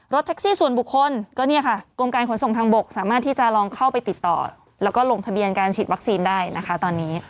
แท็กซี่ส่วนบุคคลก็เนี่ยค่ะกรมการขนส่งทางบกสามารถที่จะลองเข้าไปติดต่อแล้วก็ลงทะเบียนการฉีดวัคซีนได้นะคะตอนนี้